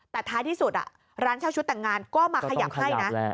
แต่ท้ายที่สุดร้านเช่าชุดแต่งงานก็มาขยับให้นะ